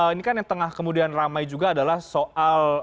ini kan yang tengah kemudian ramai juga adalah soal